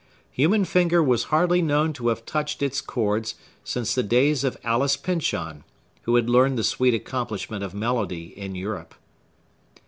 Human finger was hardly known to have touched its chords since the days of Alice Pyncheon, who had learned the sweet accomplishment of melody in Europe.